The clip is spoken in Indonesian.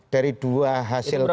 dari dua hasil tadi